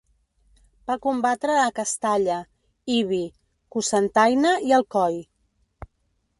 Va combatre a Castalla, Ibi, Cocentaina i Alcoi.